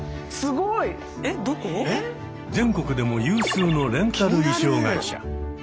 全国でも有数のレンタル衣装会社。